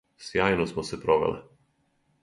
Сјајно смо се провеле.